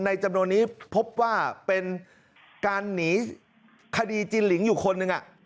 จำนวนนี้พบว่าเป็นการหนีคดีจินหลิงอยู่คนหนึ่ง